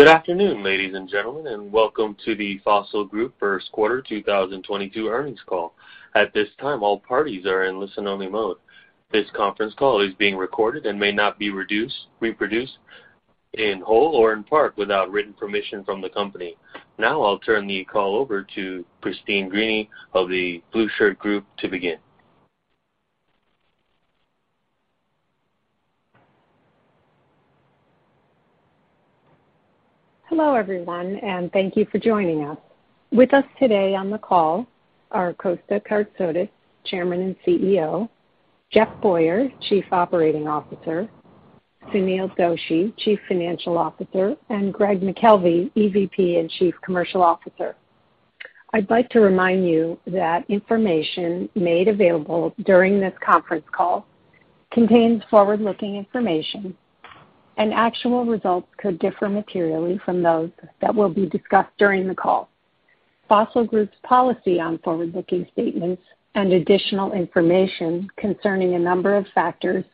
Good afternoon, ladies and gentlemen, and welcome to the Fossil Group Q1 2022 earnings call. At this time, all parties are in listen-only mode. This conference call is being recorded and may not be reproduced in whole or in part without written permission from the company. Now I'll turn the call over to Christine Greany of The Blueshirt Group to begin. Hello, everyone, and thank you for joining us. With us today on the call are Kosta Kartsotis, Chairman and CEO, Jeff Boyer, Chief Operating Officer, Sunil Doshi, Chief Financial Officer, and Greg McKelvey, EVP and Chief Commercial Officer. I'd like to remind you that information made available during this conference call contains forward-looking information, and actual results could differ materially from those that will be discussed during the call. Fossil Group's policy on forward-looking statements and additional information concerning a number of factors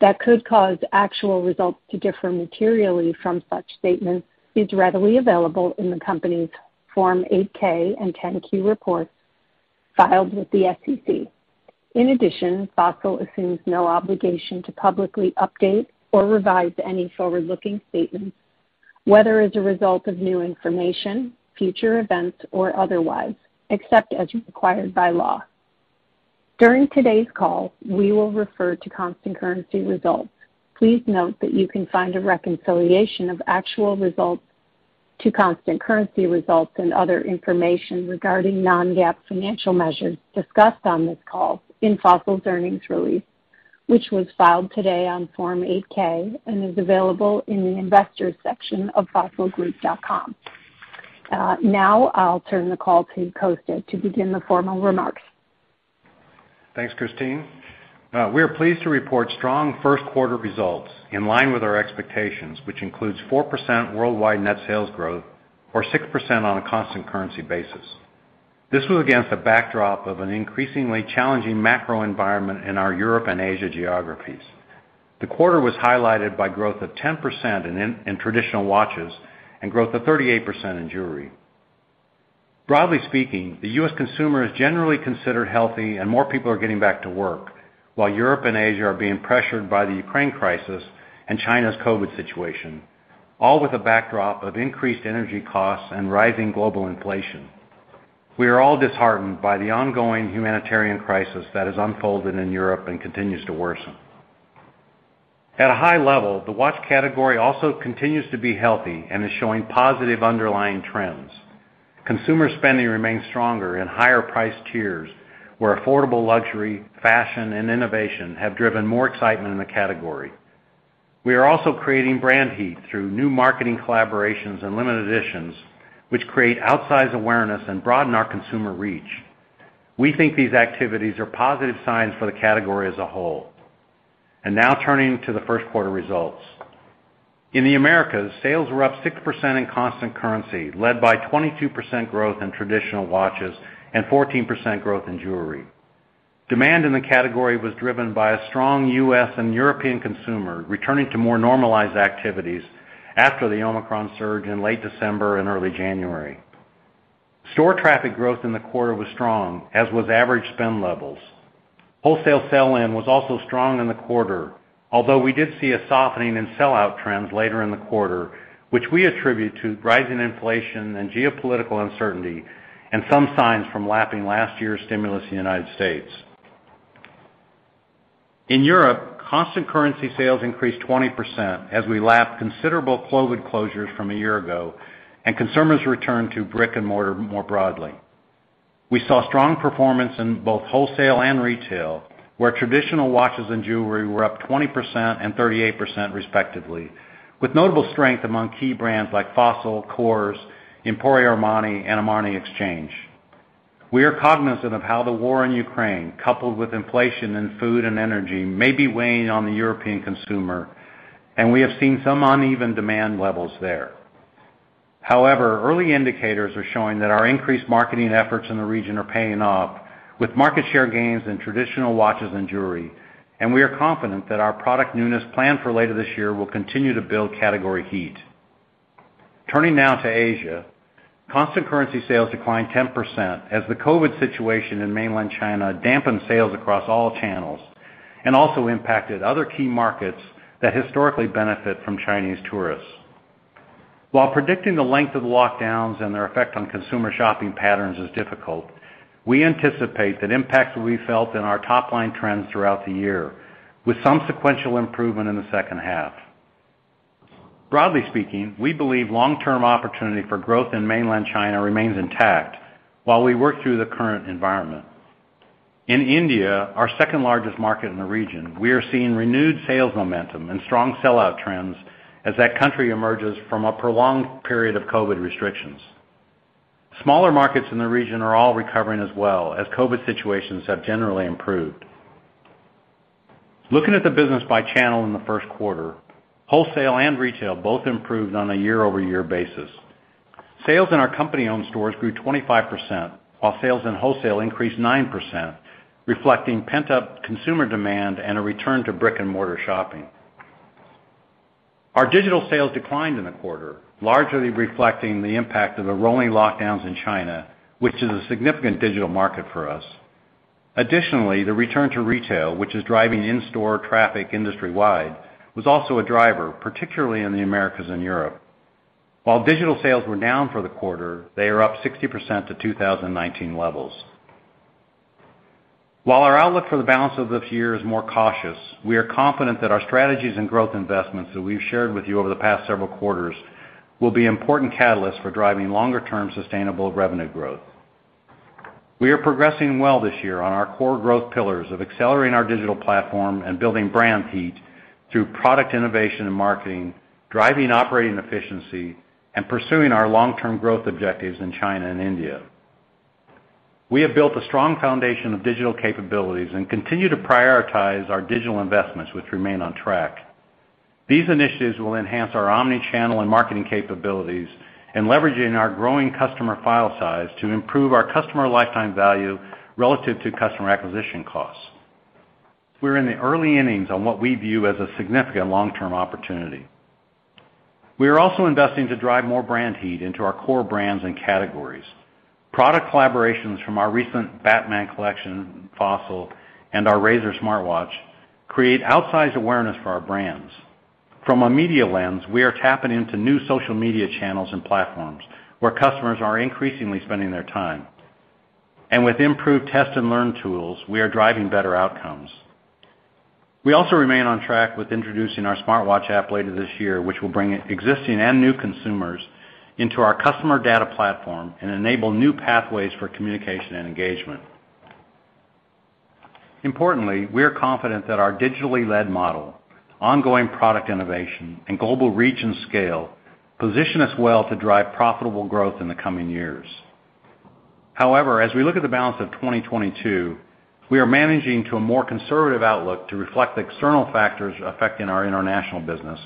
that could cause actual results to differ materially from such statements is readily available in the company's Form 8-K and 10-Q reports filed with the SEC. In addition, Fossil assumes no obligation to publicly update or revise any forward-looking statements, whether as a result of new information, future events, or otherwise, except as required by law. During today's call, we will refer to constant currency results. Please note that you can find a reconciliation of actual results to constant currency results and other information regarding non-GAAP financial measures discussed on this call in Fossil's earnings release, which was filed today on Form 8-K and is available in the Investors section of fossilgroup.com. Now I'll turn the call to Kosta to begin the formal remarks. Thanks, Christine. We are pleased to report strong Q1 results in line with our expectations, which includes 4% worldwide net sales growth, or 6% on a constant currency basis. This was against a backdrop of an increasingly challenging macro environment in our Europe and Asia geographies. The quarter was highlighted by growth of 10% in traditional watches and growth of 38% in jewelry. Broadly speaking, the U.S. consumer is generally considered healthy and more people are getting back to work, while Europe and Asia are being pressured by the Ukraine crisis and China's COVID situation, all with a backdrop of increased energy costs and rising global inflation. We are all disheartened by the ongoing humanitarian crisis that has unfolded in Europe and continues to worsen. At a high level, the watch category also continues to be healthy and is showing positive underlying trends. Consumer spending remains stronger in higher price tiers, where affordable luxury, fashion, and innovation have driven more excitement in the category. We are also creating brand heat through new marketing collaborations and limited editions, which create outsized awareness and broaden our consumer reach. We think these activities are positive signs for the category as a whole. Now turning to the Q1 results. In the Americas, sales were up 6% in constant currency, led by 22% growth in traditional watches and 14% growth in jewelry. Demand in the category was driven by a strong U.S. and European consumer returning to more normalized activities after the Omicron surge in late December and early January. Store traffic growth in the quarter was strong, as was average spend levels. Wholesale sell-in was also strong in the quarter, although we did see a softening in sell-out trends later in the quarter, which we attribute to rising inflation and geopolitical uncertainty and some signs from lapping last year's stimulus in the United States. In Europe, constant currency sales increased 20% as we lapped considerable COVID closures from a year ago and consumers returned to brick-and-mortar more broadly. We saw strong performance in both wholesale and retail, where traditional watches and jewelry were up 20% and 38% respectively, with notable strength among key brands like Fossil, Kors, Emporio Armani, and Armani Exchange. We are cognizant of how the war in Ukraine, coupled with inflation in food and energy, may be weighing on the European consumer, and we have seen some uneven demand levels there. However, early indicators are showing that our increased marketing efforts in the region are paying off with market share gains in traditional watches and jewelry, and we are confident that our product newness planned for later this year will continue to build category heat. Turning now to Asia. Constant currency sales declined 10% as the COVID situation in mainland China dampened sales across all channels and also impacted other key markets that historically benefit from Chinese tourists. While predicting the length of lockdowns and their effect on consumer shopping patterns is difficult, we anticipate that impact will be felt in our top-line trends throughout the year, with some sequential improvement in the second half. Broadly speaking, we believe long-term opportunity for growth in mainland China remains intact while we work through the current environment. In India, our second-largest market in the region, we are seeing renewed sales momentum and strong sell-out trends as that country emerges from a prolonged period of COVID restrictions. Smaller markets in the region are all recovering as well, as COVID situations have generally improved. Looking at the business by channel in the Q1, wholesale and retail both improved on a year-over-year basis. Sales in our company-owned stores grew 25%, while sales in wholesale increased 9%, reflecting pent-up consumer demand and a return to brick-and-mortar shopping. Our digital sales declined in the quarter, largely reflecting the impact of the rolling lockdowns in China, which is a significant digital market for us. Additionally, the return to retail, which is driving in-store traffic industry-wide, was also a driver, particularly in the Americas and Europe. While digital sales were down for the quarter, they are up 60% to 2019 levels. While our outlook for the balance of this year is more cautious, we are confident that our strategies and growth investments that we've shared with you over the past several quarters will be important catalysts for driving longer-term sustainable revenue growth. We are progressing well this year on our core growth pillars of accelerating our digital platform and building brand heat through product innovation and marketing, driving operating efficiency, and pursuing our long-term growth objectives in China and India. We have built a strong foundation of digital capabilities and continue to prioritize our digital investments, which remain on track. These initiatives will enhance our omni-channel and marketing capabilities and leveraging our growing customer file size to improve our customer lifetime value relative to customer acquisition costs. We're in the early innings on what we view as a significant long-term opportunity. We are also investing to drive more brand heat into our core brands and categories. Product collaborations from our recent Batman collection, Fossil, and our Razer smartwatch create outsized awareness for our brands. From a media lens, we are tapping into new social media channels and platforms where customers are increasingly spending their time. With improved test and learn tools, we are driving better outcomes. We also remain on track with introducing our smartwatch app later this year, which will bring existing and new consumers into our customer data platform and enable new pathways for communication and engagement. Importantly, we are confident that our digitally led model, ongoing product innovation, and global region scale position us well to drive profitable growth in the coming years. However, as we look at the balance of 2022, we are managing to a more conservative outlook to reflect the external factors affecting our international business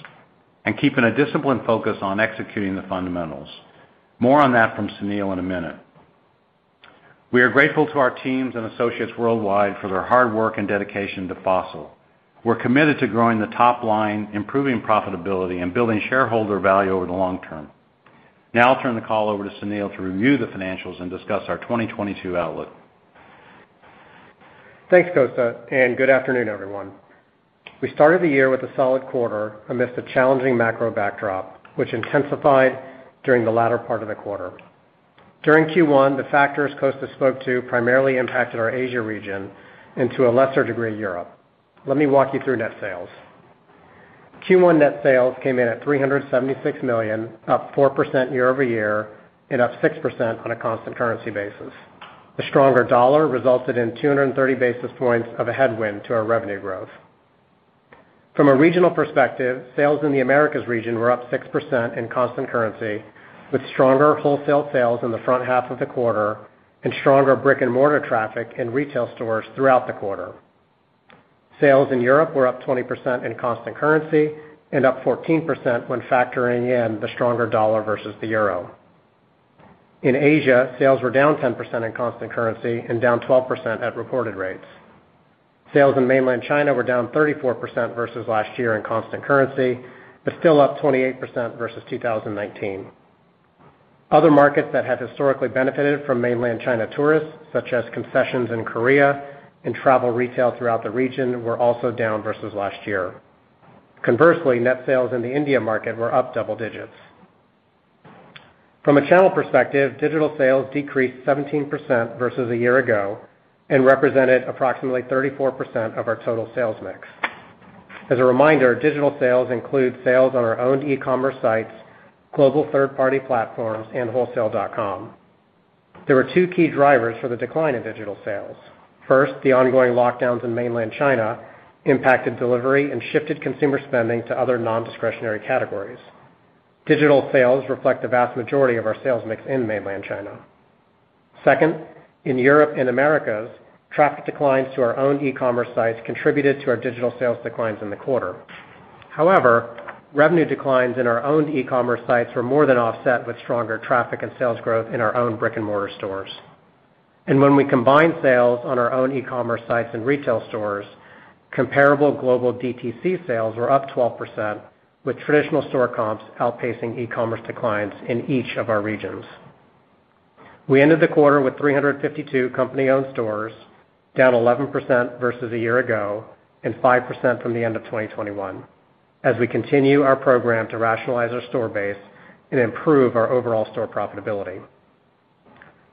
and keeping a disciplined focus on executing the fundamentals. More on that from Sunil in a minute. We are grateful to our teams and associates worldwide for their hard work and dedication to Fossil. We're committed to growing the top line, improving profitability, and building shareholder value over the long term. Now I'll turn the call over to Sunil to review the financials and discuss our 2022 outlook. Thanks, Kosta, and good afternoon, everyone. We started the year with a solid quarter amidst a challenging macro backdrop, which intensified during the latter part of the quarter. During Q1, the factors Kosta spoke to primarily impacted our Asia region and to a lesser degree, Europe. Let me walk you through net sales. Q1 net sales came in at $376 million, up 4% year-over-year and up 6% on a constant currency basis. The stronger dollar resulted in 230 basis points of a headwind to our revenue growth. From a regional perspective, sales in the Americas region were up 6% in constant currency, with stronger wholesale sales in the front half of the quarter and stronger brick-and-mortar traffic in retail stores throughout the quarter. Sales in Europe were up 20% in constant currency and up 14% when factoring in the stronger dollar versus the euro. In Asia, sales were down 10% in constant currency and down 12% at reported rates. Sales in Mainland China were down 34% versus last year in constant currency, but still up 28% versus 2019. Other markets that have historically benefited from Mainland China tourists, such as concessions in Korea and travel retail throughout the region, were also down versus last year. Conversely, net sales in the India market were up double digits. From a channel perspective, digital sales decreased 17% versus a year ago and represented approximately 34% of our total sales mix. As a reminder, digital sales include sales on our own e-commerce sites, global third-party platforms, and wholesale.com. There were two key drivers for the decline in digital sales. First, the ongoing lockdowns in Mainland China impacted delivery and shifted consumer spending to other non-discretionary categories. Digital sales reflect the vast majority of our sales mix in Mainland China. Second, in Europe and Americas, traffic declines to our own e-commerce sites contributed to our digital sales declines in the quarter. However, revenue declines in our own e-commerce sites were more than offset with stronger traffic and sales growth in our own brick-and-mortar stores. When we combine sales on our own e-commerce sites and retail stores, comparable global DTC sales were up 12%, with traditional store comps outpacing e-commerce declines in each of our regions. We ended the quarter with 352 company-owned stores, down 11% versus a year ago and 5% from the end of 2021 as we continue our program to rationalize our store base and improve our overall store profitability.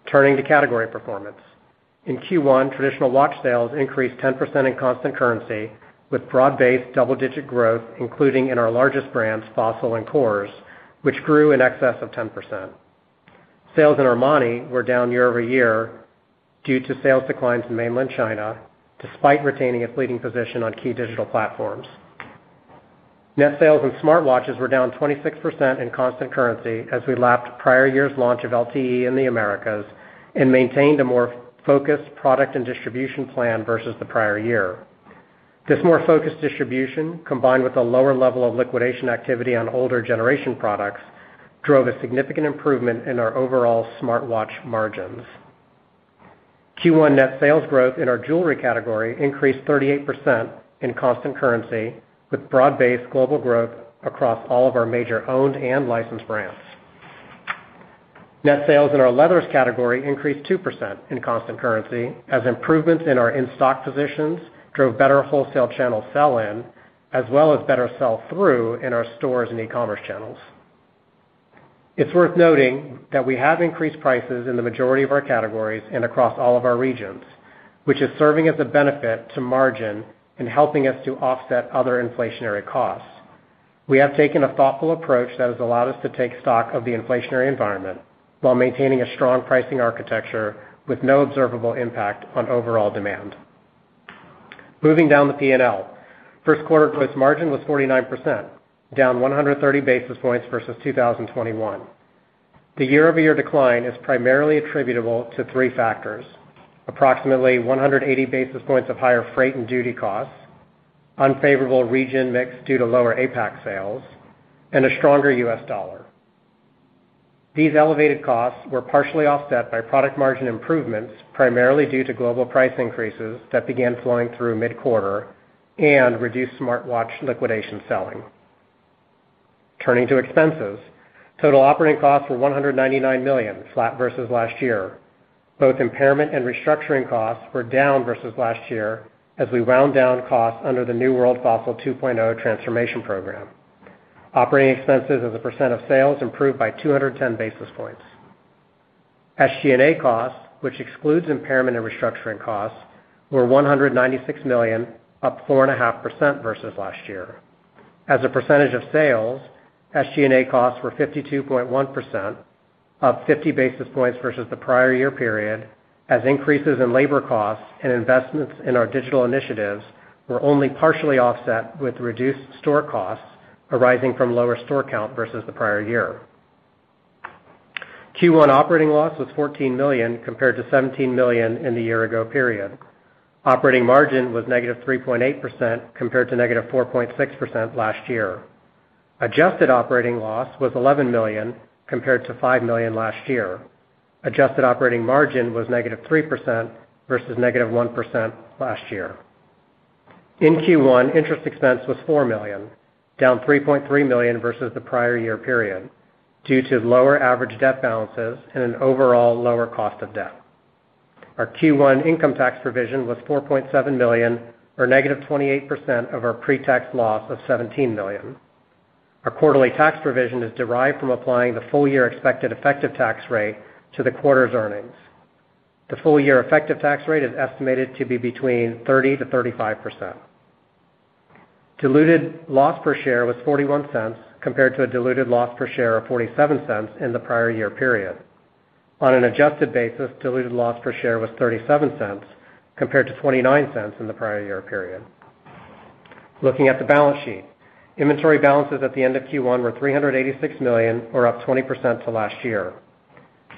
Turning to category performance. In Q1, traditional watch sales increased 10% in constant currency with broad-based double-digit growth, including in our largest brands, Fossil and Kors, which grew in excess of 10%. Sales in Armani were down year-over-year due to sales declines in Mainland China, despite retaining a leading position on key digital platforms. Net sales in smartwatches were down 26% in constant currency as we lapped prior year's launch of LTE in the Americas and maintained a more focused product and distribution plan versus the prior year. This more focused distribution, combined with a lower level of liquidation activity on older generation products, drove a significant improvement in our overall smartwatch margins. Q1 net sales growth in our jewelry category increased 38% in constant currency, with broad-based global growth across all of our major owned and licensed brands. Net sales in our leathers category increased 2% in constant currency as improvements in our in-stock positions drove better wholesale channel sell-in as well as better sell-through in our stores and e-commerce channels. It's worth noting that we have increased prices in the majority of our categories and across all of our regions, which is serving as a benefit to margin and helping us to offset other inflationary costs. We have taken a thoughtful approach that has allowed us to take stock of the inflationary environment while maintaining a strong pricing architecture with no observable impact on overall demand. Moving down the P&L. Q1 gross margin was 49%, down 130 basis points versus 2021. The year-over-year decline is primarily attributable to three factors, approximately 180 basis points of higher freight and duty costs, unfavorable region mix due to lower APAC sales, and a stronger U.S. dollar. These elevated costs were partially offset by product margin improvements, primarily due to global price increases that began flowing through mid-quarter and reduced smartwatch liquidation selling. Turning to expenses. Total operating costs were $199 million, flat versus last year. Both impairment and restructuring costs were down versus last year as we wound down costs under the New World Fossil 2.0 transformation program. Operating expenses as a percent of sales improved by 210 basis points. SG&A costs, which excludes impairment and restructuring costs, were $196 million, up 4.5% versus last year. As a percentage of sales, SG&A costs were 52.1%, up 50 basis points versus the prior year period, as increases in labor costs and investments in our digital initiatives were only partially offset with reduced store costs arising from lower store count versus the prior year. Q1 operating loss was $14 million compared to $17 million in the year-ago period. Operating margin was negative 3.8% compared to negative 4.6% last year. Adjusted operating loss was $11 million compared to $5 million last year. Adjusted operating margin was negative 3% versus negative 1% last year. In Q1, interest expense was $4 million, down $3.3 million versus the prior year period due to lower average debt balances and an overall lower cost of debt. Our Q1 income tax provision was $4.7 million or negative 28% of our pre-tax loss of $17 million. Our quarterly tax provision is derived from applying the full-year expected effective tax rate to the quarter's earnings. The full-year effective tax rate is estimated to be between 30%-35%. Diluted loss per share was $0.41 compared to a diluted loss per share of $0.47 in the prior year period. On an adjusted basis, diluted loss per share was -$0.37 compared to -$0.29 in the prior year period. Looking at the balance sheet. Inventory balances at the end of Q1 were $386 million, or up 20% to last year.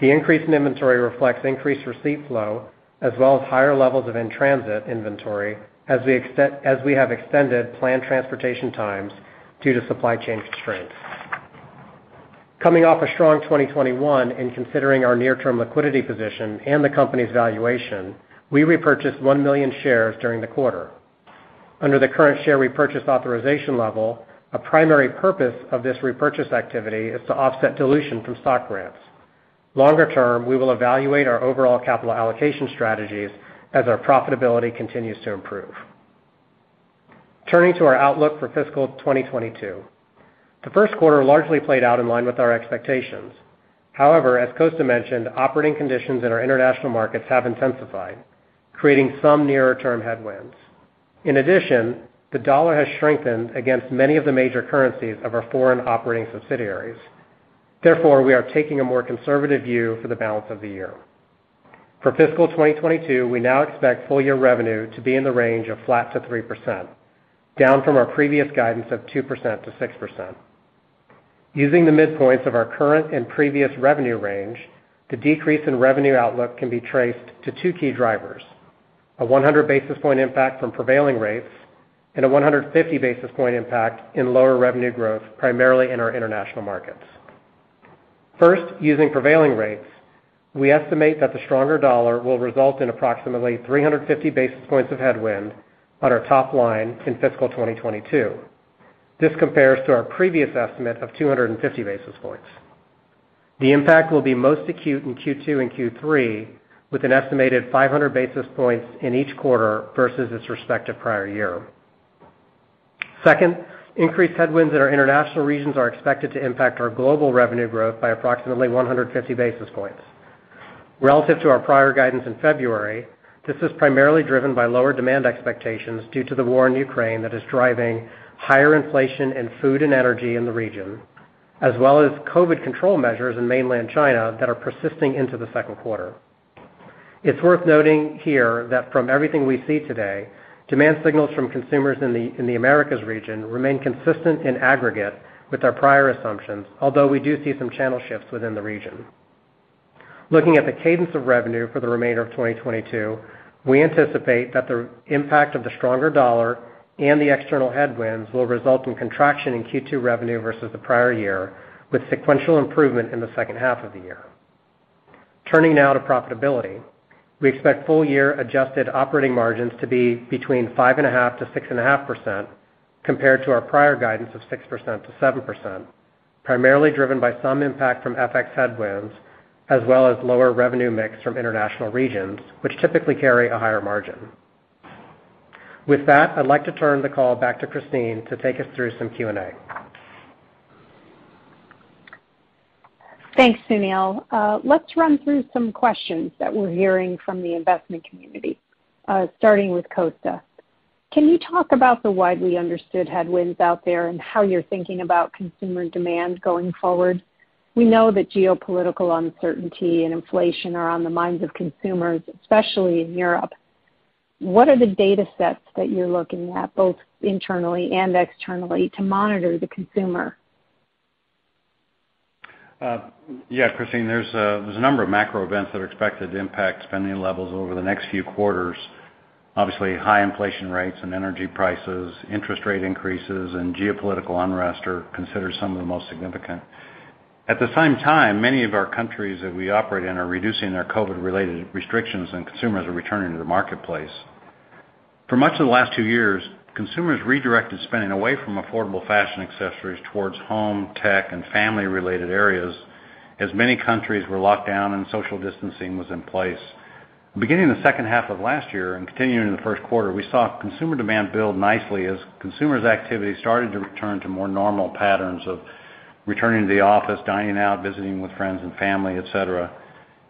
The increase in inventory reflects increased receipt flow as well as higher levels of in-transit inventory as we have extended planned transportation times due to supply chain constraints. Coming off a strong 2021 and considering our near-term liquidity position and the company's valuation, we repurchased 1 million shares during the quarter. Under the current share repurchase authorization level, a primary purpose of this repurchase activity is to offset dilution from stock grants. Longer term, we will evaluate our overall capital allocation strategies as our profitability continues to improve. Turning to our outlook for fiscal 2022. The Q1 largely played out in line with our expectations. However, as Kosta mentioned, operating conditions in our international markets have intensified, creating some nearer-term headwinds. In addition, the dollar has strengthened against many of the major currencies of our foreign operating subsidiaries. Therefore, we are taking a more conservative view for the balance of the year. For fiscal 2022, we now expect full-year revenue to be in the range of flat to 3%, down from our previous guidance of 2% to 6%. Using the midpoints of our current and previous revenue range, the decrease in revenue outlook can be traced to two key drivers, a 100 basis point impact from prevailing rates and a 150 basis point impact in lower revenue growth, primarily in our international markets. First, using prevailing rates, we estimate that the stronger dollar will result in approximately 350 basis points of headwind on our top line in fiscal 2022. This compares to our previous estimate of 250 basis points. The impact will be most acute in Q2 and Q3, with an estimated 500 basis points in each quarter versus its respective prior year. Second, increased headwinds in our international regions are expected to impact our global revenue growth by approximately 150 basis points. Relative to our prior guidance in February, this is primarily driven by lower demand expectations due to the war in Ukraine that is driving higher inflation in food and energy in the region, as well as COVID control measures in mainland China that are persisting into the Q2. It's worth noting here that from everything we see today, demand signals from consumers in the Americas region remain consistent in aggregate with our prior assumptions, although we do see some channel shifts within the region. Looking at the cadence of revenue for the remainder of 2022, we anticipate that the impact of the stronger dollar and the external headwinds will result in contraction in Q2 revenue versus the prior year, with sequential improvement in the second half of the year. Turning now to profitability. We expect full-year adjusted operating margins to be between 5.5%-6.5% compared to our prior guidance of 6%-7%, primarily driven by some impact from FX headwinds as well as lower revenue mix from international regions, which typically carry a higher margin. With that, I'd like to turn the call back to Christine to take us through some Q&A. Thanks, Sunil. Let's run through some questions that we're hearing from the investment community, starting with Kosta. Can you talk about the widely understood headwinds out there and how you're thinking about consumer demand going forward? We know that geopolitical uncertainty and inflation are on the minds of consumers, especially in Europe. What are the data sets that you're looking at both internally and externally to monitor the consumer? Yeah, Christine. There's a number of macro events that are expected to impact spending levels over the next few quarters. Obviously, high inflation rates and energy prices, interest rate increases, and geopolitical unrest are considered some of the most significant. At the same time, many of our countries that we operate in are reducing their COVID-related restrictions and consumers are returning to the marketplace. For much of the last two years, consumers redirected spending away from affordable fashion accessories towards home, tech, and family-related areas as many countries were locked down and social distancing was in place. Beginning the second half of last year and continuing in the Q1, we saw consumer demand build nicely as consumers' activity started to return to more normal patterns of returning to the office, dining out, visiting with friends and family, et cetera.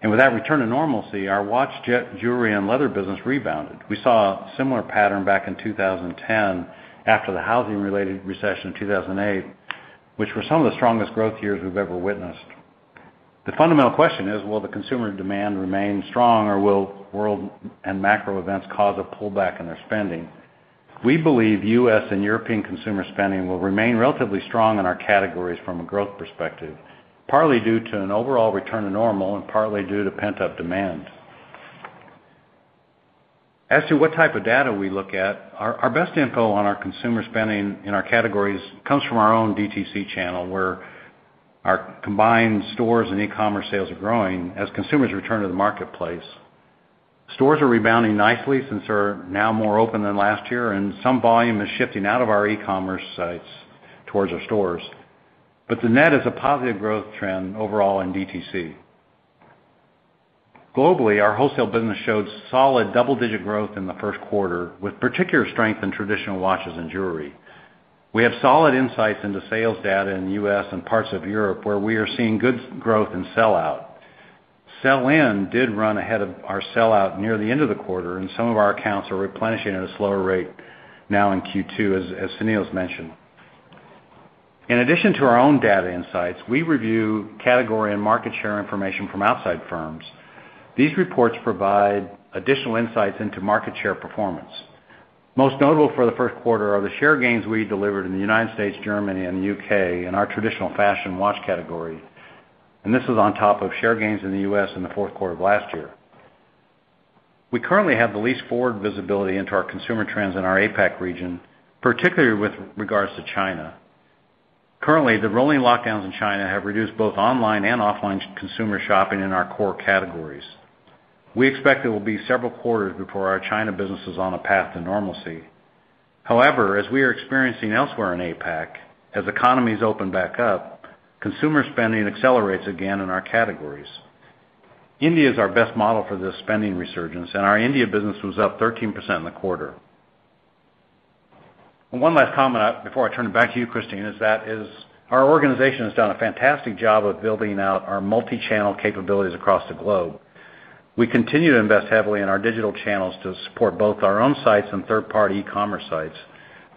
With that return to normalcy, our watch, jet, jewelry, and leather business rebounded. We saw a similar pattern back in 2010 after the housing-related recession in 2008, which were some of the strongest growth years we've ever witnessed. The fundamental question is, will the consumer demand remain strong, or will world and macro events cause a pullback in their spending? We believe U.S. and European consumer spending will remain relatively strong in our categories from a growth perspective, partly due to an overall return to normal and partly due to pent-up demand. As to what type of data we look at, our best info on our consumer spending in our categories comes from our own DTC channel, where our combined stores and e-commerce sales are growing as consumers return to the marketplace. Stores are rebounding nicely since they're now more open than last year, and some volume is shifting out of our e-commerce sites towards our stores. The net is a positive growth trend overall in DTC. Globally, our wholesale business showed solid double-digit growth in the Q1, with particular strength in traditional watches and jewelry. We have solid insights into sales data in the U.S. and parts of Europe, where we are seeing good growth and sell out. Sell in did run ahead of our sell out near the end of the quarter, and some of our accounts are replenishing at a slower rate now in Q2, as Sunil has mentioned. In addition to our own data insights, we review category and market share information from outside firms. These reports provide additional insights into market share performance. Most notable for the Q1 are the share gains we delivered in the United States, Germany, and the U.K. in our traditional fashion watch category, and this is on top of share gains in the U.S. in the Q4 of last year. We currently have the least forward visibility into our consumer trends in our APAC region, particularly with regards to China. Currently, the rolling lockdowns in China have reduced both online and offline consumer shopping in our core categories. We expect it will be several quarters before our China business is on a path to normalcy. However, as we are experiencing elsewhere in APAC, as economies open back up, consumer spending accelerates again in our categories. India is our best model for this spending resurgence, and our India business was up 13% in the quarter. One last comment before I turn it back to you, Christine, is that our organization has done a fantastic job of building out our multi-channel capabilities across the globe. We continue to invest heavily in our digital channels to support both our own sites and third-party e-commerce sites,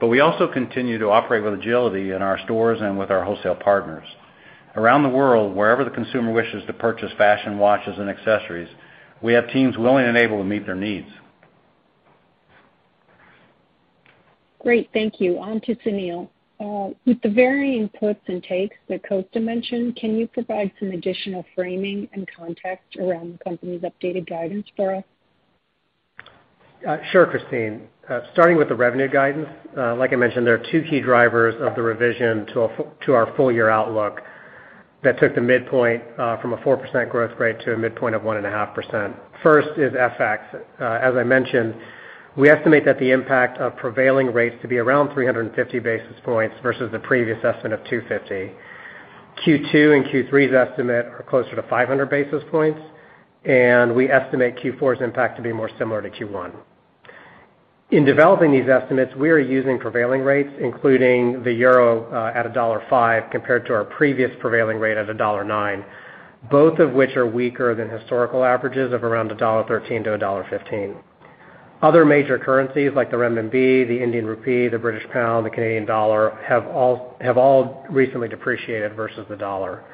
but we also continue to operate with agility in our stores and with our wholesale partners. Around the world, wherever the consumer wishes to purchase fashion, watches, and accessories, we have teams willing and able to meet their needs. Great. Thank you. On to Sunil. With the varying puts and takes that Kosta mentioned, can you provide some additional framing and context around the company's updated guidance for us? Sure, Christine. Starting with the revenue guidance, like I mentioned, there are two key drivers of the revision to our full-year outlook that took the midpoint from a 4% growth rate to a midpoint of 1.5%. First is FX. As I mentioned, we estimate that the impact of prevailing rates to be around 350 basis points versus the previous estimate of 250. Q2 and Q3's estimate are closer to 500 basis points, and we estimate Q4's impact to be more similar to Q1. In developing these estimates, we are using prevailing rates, including the euro at $1.05 compared to our previous prevailing rate at $1.09, both of which are weaker than historical averages of around $1.13-$1.15. Other major currencies like the renminbi, the Indian rupee, the British pound, the Canadian dollar have all recently depreciated versus the dollar.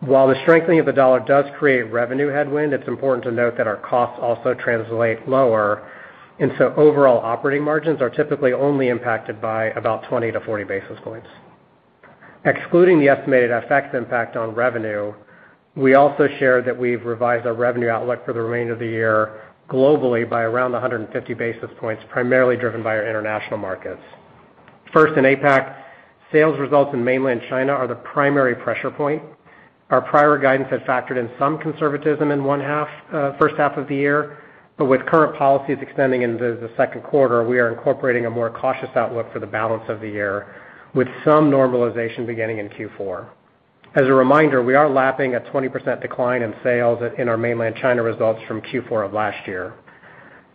While the strengthening of the dollar does create revenue headwind, it's important to note that our costs also translate lower, and so overall operating margins are typically only impacted by about 20-40 basis points. Excluding the estimated FX impact on revenue, we also shared that we've revised our revenue outlook for the remainder of the year globally by around 150 basis points, primarily driven by our international markets. First, in APAC, sales results in Mainland China are the primary pressure point. Our prior guidance had factored in some conservatism in first half of the year. With current policies extending into the Q2, we are incorporating a more cautious outlook for the balance of the year, with some normalization beginning in Q4. As a reminder, we are lapping a 20% decline in sales in our Mainland China results from Q4 of last year.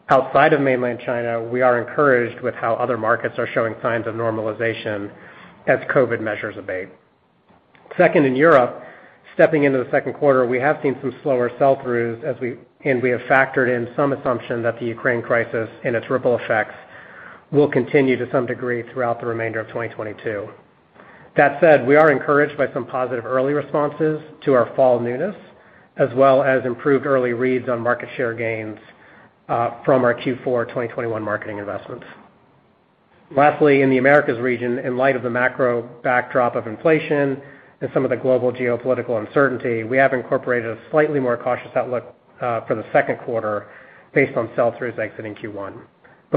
Outside of Mainland China, we are encouraged with how other markets are showing signs of normalization as COVID measures abate. Second, in Europe, stepping into the Q2, we have seen some slower sell-throughs and we have factored in some assumption that the Ukraine crisis and its ripple effects will continue to some degree throughout the remainder of 2022. That said, we are encouraged by some positive early responses to our fall newness, as well as improved early reads on market share gains from our Q4 2021 marketing investments. Lastly, in the Americas region, in light of the macro backdrop of inflation and some of the global geopolitical uncertainty, we have incorporated a slightly more cautious outlook for the Q2based on sell-throughs exiting Q1.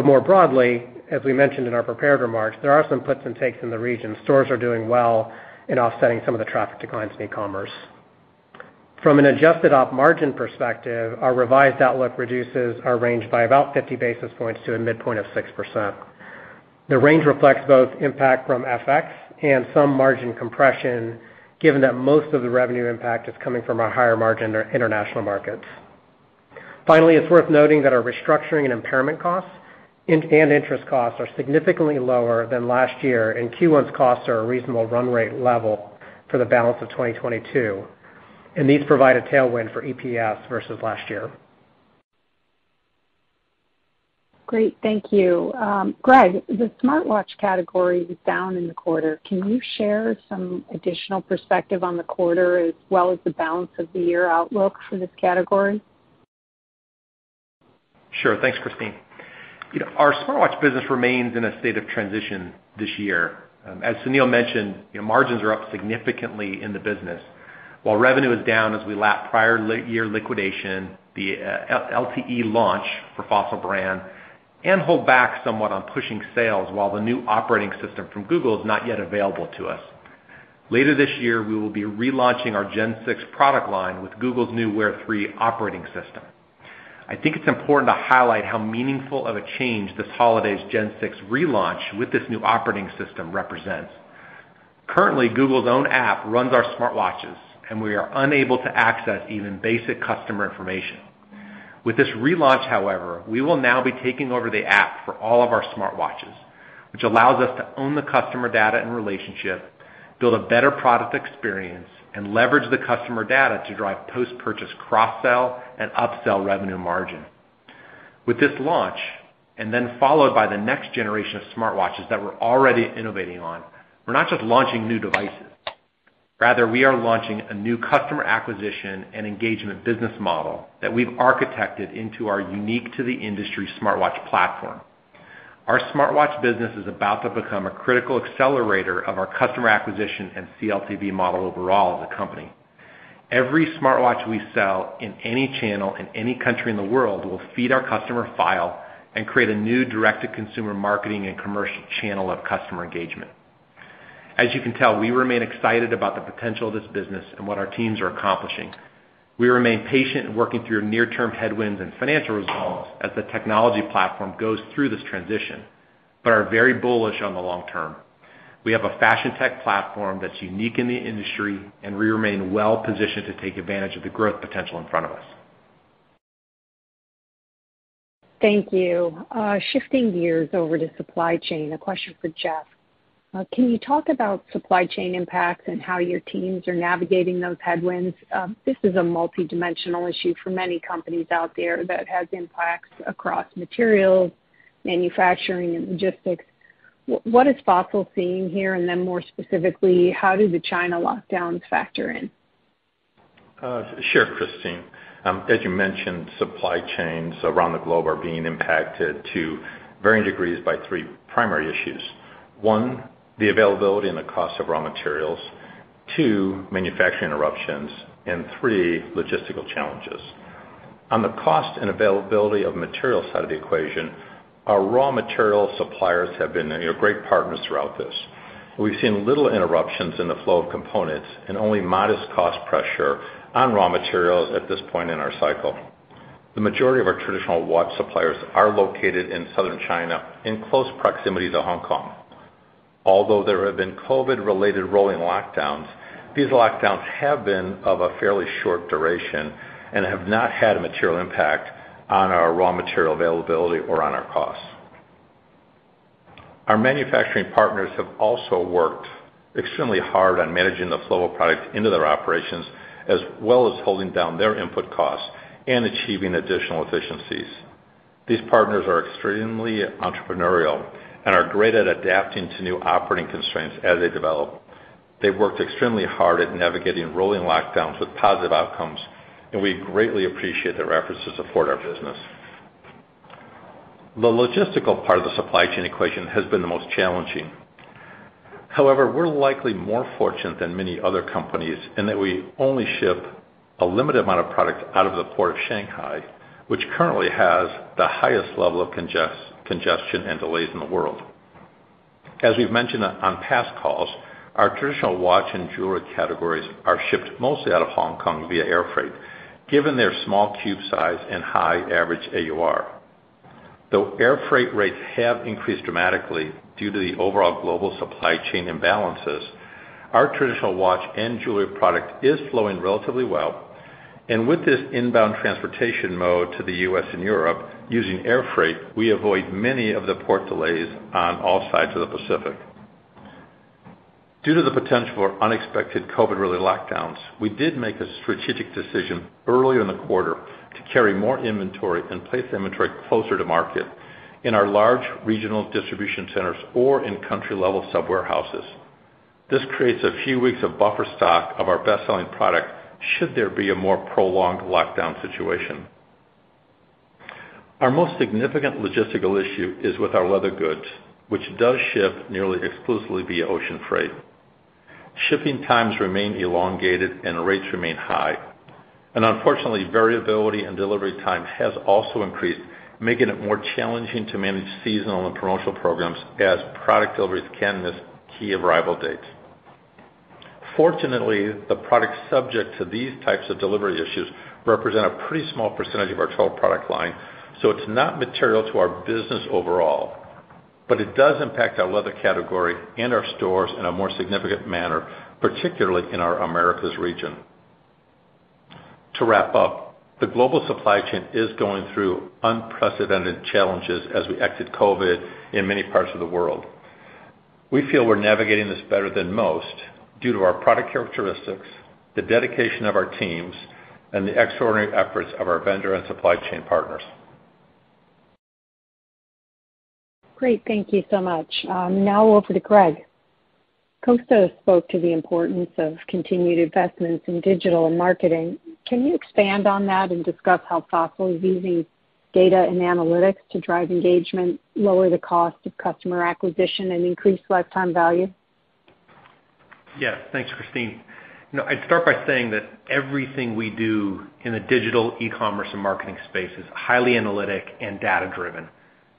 More broadly, as we mentioned in our prepared remarks, there are some puts and takes in the region. Stores are doing well in offsetting some of the traffic declines in e-commerce. From an adjusted op margin perspective, our revised outlook reduces our range by about 50 basis points to a midpoint of 6%. The range reflects both impact from FX and some margin compression, given that most of the revenue impact is coming from our higher margin or international markets. Finally, it's worth noting that our restructuring and impairment costs and interest costs are significantly lower than last year, and Q1's costs are a reasonable run rate level for the balance of 2022, and these provide a tailwind for EPS versus last year. Great. Thank you. Greg, the smartwatch category was down in the quarter. Can you share some additional perspective on the quarter as well as the balance of the year outlook for this category? Sure. Thanks, Christine. You know, our smartwatch business remains in a state of transition this year. As Sunil mentioned, you know, margins are up significantly in the business, while revenue is down as we lap prior year liquidation, the LTE launch for Fossil brand, and hold back somewhat on pushing sales while the new operating system from Google is not yet available to us. Later this year, we will be relaunching our Gen 6 product line with Google's new Wear OS 3 operating system. I think it's important to highlight how meaningful of a change this holiday's Gen 6 relaunch with this new operating system represents. Currently, Google's own app runs our smartwatches, and we are unable to access even basic customer information. With this relaunch, however, we will now be taking over the app for all of our smartwatches, which allows us to own the customer data and relationship, build a better product experience, and leverage the customer data to drive post-purchase cross-sell and upsell revenue margin. With this launch, and then followed by the next generation of smartwatches that we're already innovating on, we're not just launching new devices. Rather, we are launching a new customer acquisition and engagement business model that we've architected into our unique to the industry smartwatch platform. Our smartwatch business is about to become a critical accelerator of our customer acquisition and CLTV model overall as a company. Every smartwatch we sell in any channel in any country in the world will feed our customer file and create a new direct-to-consumer marketing and commercial channel of customer engagement. As you can tell, we remain excited about the potential of this business and what our teams are accomplishing. We remain patient in working through near-term headwinds and financial results as the technology platform goes through this transition, but are very bullish on the long term. We have a fashion tech platform that's unique in the industry, and we remain well positioned to take advantage of the growth potential in front of us. Thank you. Shifting gears over to supply chain, a question for Jeff. Can you talk about supply chain impacts and how your teams are navigating those headwinds? This is a multidimensional issue for many companies out there that has impacts across materials, manufacturing, and logistics. What is Fossil seeing here? More specifically, how do the China lockdowns factor in? Sure, Christine. As you mentioned, supply chains around the globe are being impacted to varying degrees by three primary issues. One, the availability and the cost of raw materials. Two, manufacturing interruptions. And three, logistical challenges. On the cost and availability of material side of the equation, our raw material suppliers have been, you know, great partners throughout this. We've seen little interruptions in the flow of components and only modest cost pressure on raw materials at this point in our cycle. The majority of our traditional watch suppliers are located in Southern China, in close proximity to Hong Kong. Although there have been COVID-related rolling lockdowns, these lockdowns have been of a fairly short duration and have not had a material impact on our raw material availability or on our costs. Our manufacturing partners have also worked extremely hard on managing the flow of product into their operations, as well as holding down their input costs and achieving additional efficiencies. These partners are extremely entrepreneurial and are great at adapting to new operating constraints as they develop. They've worked extremely hard at navigating rolling lockdowns with positive outcomes, and we greatly appreciate their efforts to support our business. The logistical part of the supply chain equation has been the most challenging. However, we're likely more fortunate than many other companies in that we only ship a limited amount of product out of the port of Shanghai, which currently has the highest level of congestion and delays in the world. As we've mentioned on past calls, our traditional watch and jewelry categories are shipped mostly out of Hong Kong via air freight, given their small cube size and high average AUR. Though air freight rates have increased dramatically due to the overall global supply chain imbalances, our traditional watch and jewelry product is flowing relatively well. With this inbound transportation mode to the U.S. and Europe using air freight, we avoid many of the port delays on all sides of the Pacific. Due to the potential for unexpected COVID-related lockdowns, we did make a strategic decision early in the quarter to carry more inventory and place inventory closer to market in our large regional distribution centers or in country-level sub-warehouses. This creates a few weeks of buffer stock of our best-selling product should there be a more prolonged lockdown situation. Our most significant logistical issue is with our leather goods, which does ship nearly exclusively via ocean freight. Shipping times remain elongated, and rates remain high. Unfortunately, variability in delivery time has also increased, making it more challenging to manage seasonal and promotional programs as product deliveries can miss key arrival dates. Fortunately, the products subject to these types of delivery issues represent a pretty small percentage of our total product line, so it's not material to our business overall. It does impact our leather category and our stores in a more significant manner, particularly in our Americas region. To wrap up, the global supply chain is going through unprecedented challenges as we exit COVID in many parts of the world. We feel we're navigating this better than most due to our product characteristics, the dedication of our teams, and the extraordinary efforts of our vendor and supply chain partners. Great. Thank you so much. Now over to Greg. Kosta spoke to the importance of continued investments in digital and marketing. Can you expand on that and discuss how Fossil is using data and analytics to drive engagement, lower the cost of customer acquisition, and increase lifetime value? Yes. Thanks, Christine. You know, I'd start by saying that everything we do in the digital, e-commerce, and marketing space is highly analytic and data-driven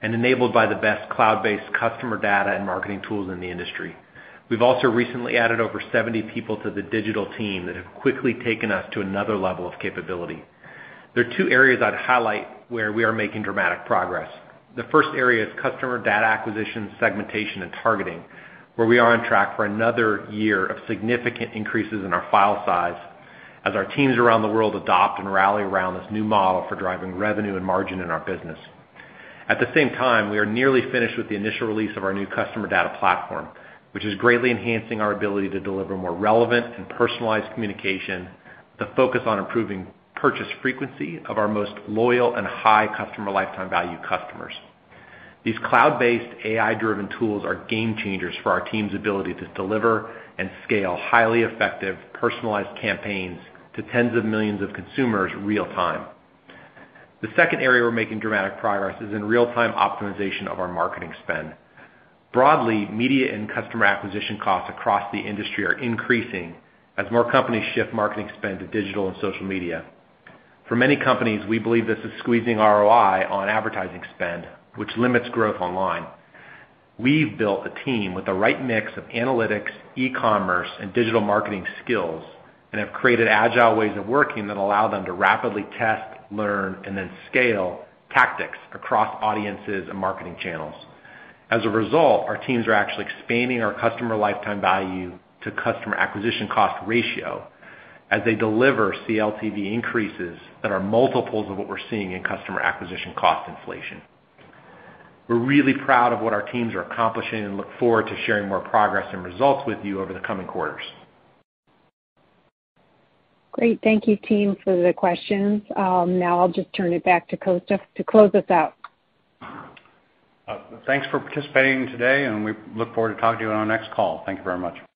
and enabled by the best cloud-based customer data and marketing tools in the industry. We've also recently added over 70 people to the digital team that have quickly taken us to another level of capability. There are two areas I'd highlight where we are making dramatic progress. The first area is customer data acquisition, segmentation, and targeting, where we are on track for another year of significant increases in our file size as our teams around the world adopt and rally around this new model for driving revenue and margin in our business. At the same time, we are nearly finished with the initial release of our new customer data platform, which is greatly enhancing our ability to deliver more relevant and personalized communication with the focus on improving purchase frequency of our most loyal and high customer lifetime value customers. These cloud-based, AI-driven tools are game changers for our team's ability to deliver and scale highly effective, personalized campaigns to tens of millions of consumers in real time. The second area we're making dramatic progress is in real-time optimization of our marketing spend. Broadly, media and customer acquisition costs across the industry are increasing as more companies shift marketing spend to digital and social media. For many companies, we believe this is squeezing ROI on advertising spend, which limits growth online. We've built a team with the right mix of analytics, e-commerce, and digital marketing skills and have created agile ways of working that allow them to rapidly test, learn, and then scale tactics across audiences and marketing channels. As a result, our teams are actually expanding our customer lifetime value to customer acquisition cost ratio as they deliver CLTV increases that are multiples of what we're seeing in customer acquisition cost inflation. We're really proud of what our teams are accomplishing and look forward to sharing more progress and results with you over the coming quarters. Great. Thank you, team, for the questions. Now I'll just turn it back to Kosta to close us out. Thanks for participating today, and we look forward to talking to you on our next call. Thank you very much.